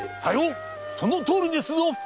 そのとおりですぞ！